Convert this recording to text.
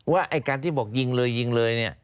ว่าการที่บอกยิงเลยยิงเลย